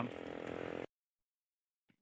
โอ้ครับ